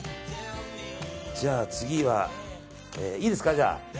じゃあ次は、いいですか。